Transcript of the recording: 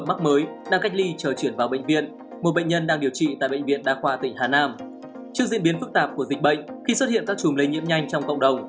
trước diễn biến phức tạp của dịch bệnh khi xuất hiện các chùm lây nhiễm nhanh trong cộng đồng